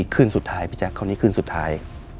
คืนสุดท้ายพี่แจ๊คคราวนี้คืนสุดท้าย